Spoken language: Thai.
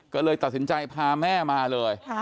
ก็เลยตัดสินใจพาแม่มาเลย